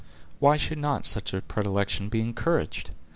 Why should not such a predilection be encouraged!